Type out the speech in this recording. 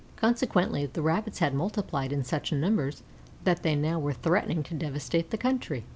Consequently the Rabbits had multiplied in such numbers that they now were threatening to devastate the country.